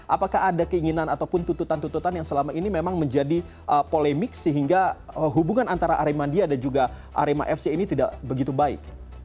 apakah ada keinginan ataupun tuntutan tuntutan yang selama ini memang menjadi polemik sehingga hubungan antara aremania dan juga arema fc ini tidak begitu baik